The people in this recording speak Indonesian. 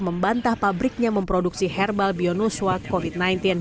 membantah pabriknya memproduksi herbal bionuswa covid sembilan belas